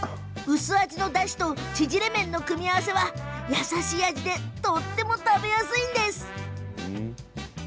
薄味のだしと縮れ麺の組み合わせは優しい味でとっても食べやすいんです。